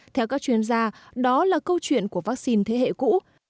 theo các chuyên gia đó là câu chuyện của vắc xin thế hệ cũ